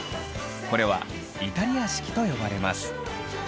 これはイタリア式と呼ばれます。